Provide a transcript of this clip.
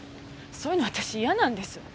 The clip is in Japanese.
そういうの私嫌なんです。